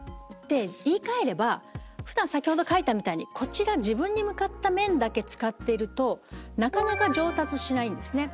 言い換えれば先ほど書いたみたいに自分に向かった面だけ使っているとなかなか上達しないんですね。